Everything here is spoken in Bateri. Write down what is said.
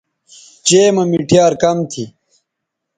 چئے مہ مِٹھیار کم تھی